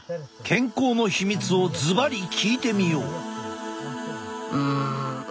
健康のヒミツをずばり聞いてみよう。